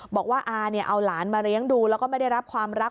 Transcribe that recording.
บอกว่าอาเนี่ยเอาหลานมาเลี้ยงดูแล้วก็ไม่ได้รับความรัก